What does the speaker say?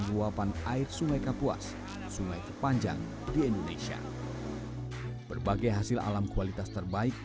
luapan air sungai kapuas sungai terpanjang di indonesia berbagai hasil alam kualitas terbaik